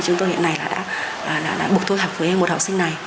chúng tôi hiện nay đã bục thu thập với một học sinh này